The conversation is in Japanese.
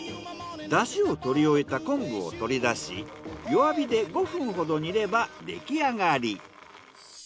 出汁を取り終えた昆布を取り出し弱火で５分ほど煮れば出来上がり。